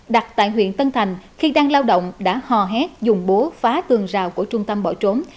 đặt tại huyện tân thành khi đang lao động đã hò hét dùng bố phá tường rào của trung tâm bỏ trốn